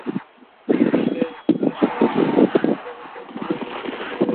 এদিকে আশায় আশায় দিন গুনতে গুনতে একসময় ছুটি শুরু হয়ে যায়।